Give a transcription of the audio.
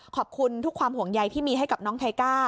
ขอบคุณทุกความห่วงใยที่มีให้กับน้องไทก้า